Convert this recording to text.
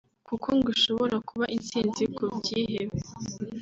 kuko ngo ishobora kuba intsinzi ku byihebe